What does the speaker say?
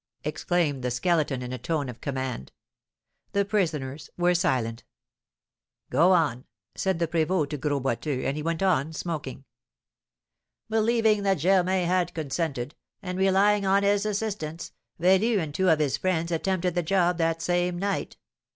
exclaimed the Skeleton, in a tone of command. The prisoners were silent. "Go on," said the prévôt to Gros Boiteux, and he went on smoking. "Believing that Germain had consented, and relying on his assistance, Velu and two of his friends attempted the job that same night.